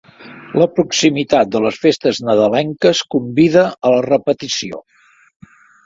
La proximitat de les festes nadalenques convida a la repetició.